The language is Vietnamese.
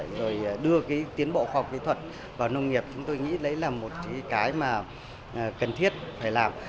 rồi đưa cái tiến bộ khoa học kỹ thuật vào nông nghiệp chúng tôi nghĩ đấy là một cái mà cần thiết phải làm